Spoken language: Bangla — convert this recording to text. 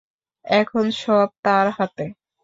এখন সব তাঁর হাতে।